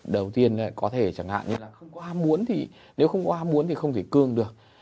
đầu tiên là có thể chẳng hạn như là không có ham muốn thì nếu không có ham muốn thì không thể cương được